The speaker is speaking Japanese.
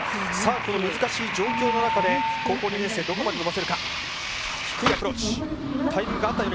この難しい状況の中で高校２年生、どこまで伸ばせるか。